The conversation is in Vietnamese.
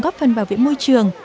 góp phần vào viện môi trường